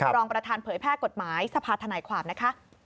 รองประธานเผยแพร่กฎหมายสภาธนายความนะคะ